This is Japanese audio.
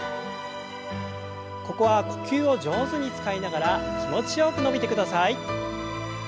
ここは呼吸を上手に使いながら気持ちよく伸びてください。